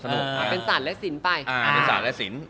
เป็นสารและสิน